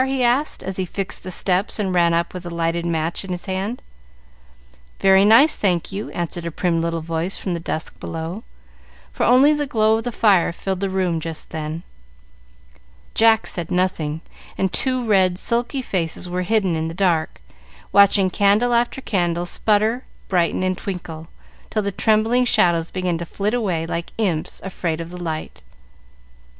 he asked, as he fixed the steps and ran up with a lighted match in his hand. "Very nice, thank you," answered a prim little voice from the dusk below, for only the glow of the fire filled the room just then. Jack said nothing, and two red sulky faces were hidden in the dark, watching candle after candle sputter, brighten, and twinkle, till the trembling shadows began to flit away like imps afraid of the light.